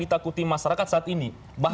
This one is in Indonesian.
ditakuti masyarakat saat ini